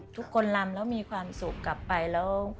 คนลำแล้วมีความสุขกลับไปแล้ว